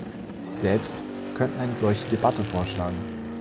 Sie selbst könnten eine solche Debatte vorschlagen.